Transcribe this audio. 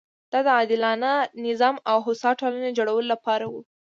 دا د عادلانه نظام او هوسا ټولنې جوړولو لپاره وه.